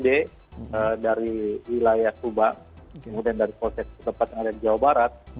dari wilayah tuba kemudian dari proses ke tempat yang ada di jawa barat